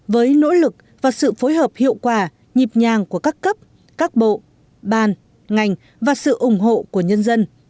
với nỗ lực và sự phối hợp hiệu quả nhịp nhàng của các cấp các bộ ban ngành và sự ủng hộ của nhân dân